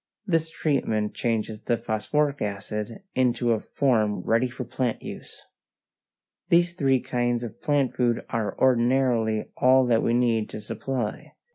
This treatment changes the phosphoric acid into a form ready for plant use. These three kinds of plant food are ordinarily all that we need to supply.